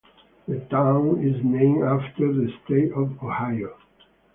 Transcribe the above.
The town is named after the state of Ohio.